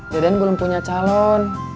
deden belum punya calon